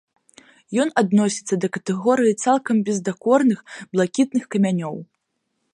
Ён адносіцца да катэгорыі цалкам бездакорных блакітных камянёў.